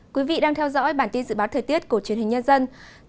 quý vị đang theo dõi bản tin dự báo thời tiết của truyền hình nhân dân